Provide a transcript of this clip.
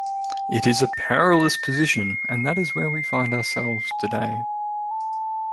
It is a perilous position, and that is where we find outselves today.